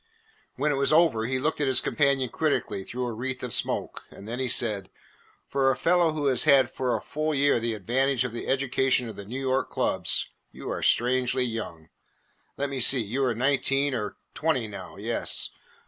When it was over, he looked at his companion critically through a wreath of smoke. Then he said: "For a fellow who has had for a full year the advantage of the education of the New York clubs, you are strangely young. Let me see, you are nineteen or twenty now yes.